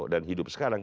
dan hidup sekarang